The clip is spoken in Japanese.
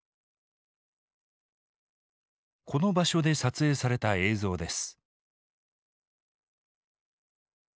この場所で撮影された映像です。